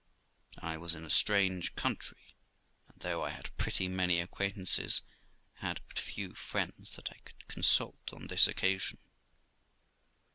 I was in a strange country, and, though I had a pretty many acquain tances, had but very few friends that I could consult on this occasion.